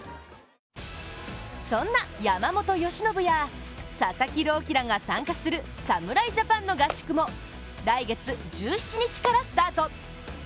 そんな山本由伸や佐々木朗希らが参加する侍ジャパンの合宿も、来月１７日からスタート。